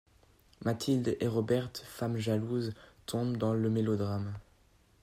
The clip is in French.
Mathilde et Roberte, femmes jalouses, tombent dans le mélodrame.